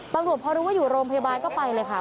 ตำรวจพอรู้ว่าอยู่โรงพยาบาลก็ไปเลยค่ะ